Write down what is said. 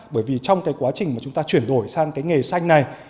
bởi vì trong quá trình chúng ta chuyển đổi sang nghề xanh này